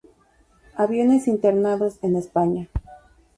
Aviones internados en España